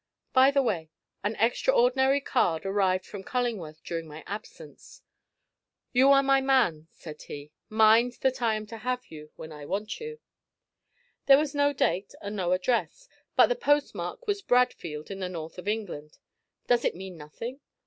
By the way, an extraordinary card arrived from Cullingworth during my absence. "You are my man," said he; "mind that I am to have you when I want you." There was no date and no address, but the postmark was Bradfield in the north of England. Does it mean nothing?